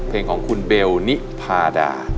เพลงของคุณเบลนิพาดา